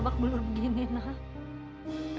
babak belur begini nak